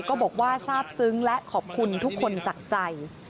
ก็บอกว่าทราบซึ้งและขอบคุณทุกคนจากใจ